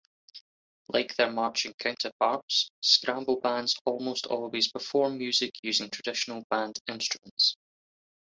Like their marching counterparts, scramble bands almost always perform music using traditional band instruments.